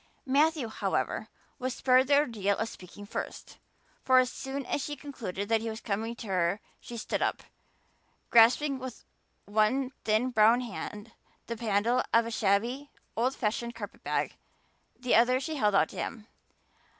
Matthew, however, was spared the ordeal of speaking first, for as soon as she concluded that he was coming to her she stood up, grasping with one thin brown hand the handle of a shabby, old fashioned carpet bag; the other she held out to him.